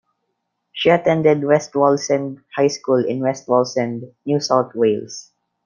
She attended West Wallsend High School in West Wallsend, New South Wales.